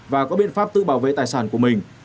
và có biện pháp tự bảo vệ tài sản của mình